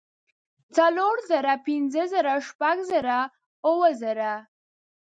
څلور زره پنځۀ زره شپږ زره اووه زره